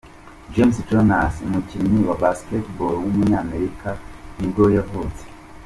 James Jones, umukinnyi wa basketbakll w’umunyamerika nibwo yavutse.